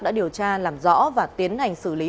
đã điều tra làm rõ và tiến hành xử lý